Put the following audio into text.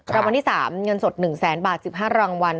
รางวัลที่๓เงินสด๑แสนบาท๑๕รางวัล